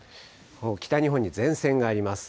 北日本に前線があります。